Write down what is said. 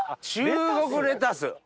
中国レタス！